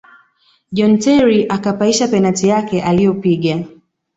john terry akapaisha penati yake aliyopiga